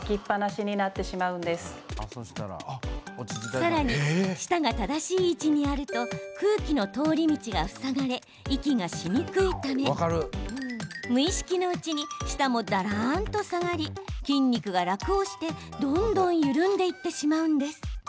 さらに舌が正しい位置にあると空気の通り道が塞がれ息がしにくいため無意識のうちに舌もだらんと下がり筋肉が楽をして、どんどん緩んでいってしまうんです。